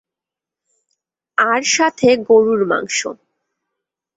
আর সাথে গরুর মাংস।